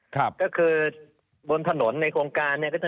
ครับก็คือบนถนนในโครงการเนี่ย